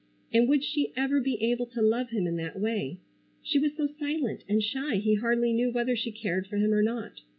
And would she ever be able to love him in that way? She was so silent and shy he hardly knew whether she cared for him or not.